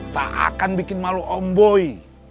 tak akan bikin malu om boy